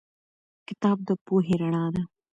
کتاب د پوهې رڼا ده.